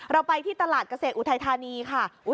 เราไปที่ตลาดเกษตรอุทัยธานีค่ะ